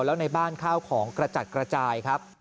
แล้วในบ้านข้าวของกระจัดกระจายครับ